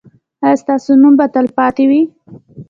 ایا ستاسو نوم به تلپاتې وي؟